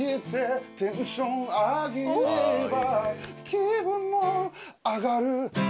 「気分も上がる」